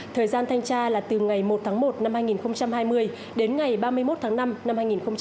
thời gian thanh tra là từ ngày một tháng một năm hai nghìn hai mươi đến ngày ba mươi một tháng năm năm hai nghìn hai mươi